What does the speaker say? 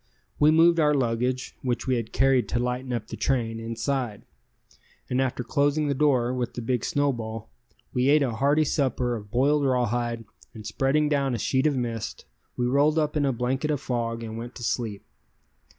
We moved our luggage (which we had carried to lighten up the train) inside, and after closing the door with the big snowball, we ate a hearty supper of boiled rawhide, and spreading down a sheet of mist, we rolled up in a blanket of fog and went to sleep.